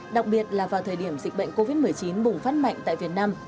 đặc biệt là vào thời điểm dịch bệnh covid một mươi chín bùng phát mạnh tại việt nam